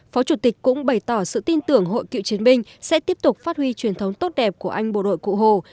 phó chủ tịch cũng bày tỏ sự tin tưởng hội cựu chiến binh sẽ tiếp tục phát huy truyền thống tốt đẹp của anh bộ đội cụ hồ